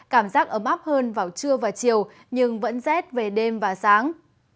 cảm giác ấm áp hơn vào trưa và chiều nhưng vẫn rét về đêm và sáng